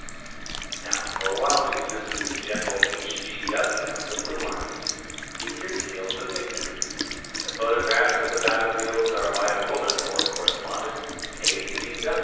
] Now for a while you listen to General H. G. W., of the Blue Army. You hear tales of victory. The photographs of the battlefields are by a woman war correspondent, A.